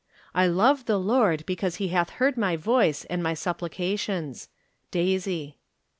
" I love the Lord because he hath heard my voice and my supplications." Daisy.